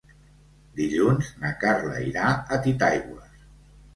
Dilluns na Carla irà a Titaigües.